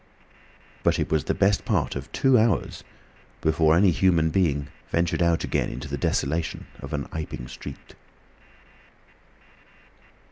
But it was the best part of two hours before any human being ventured out again into the desolation of Iping street.